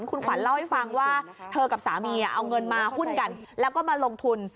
คุณขวัญเล่าให้ฟังว่าเธอกับสามีเอาเงินมาหุ้นกันแล้วก็มาลงทุน